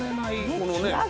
このね。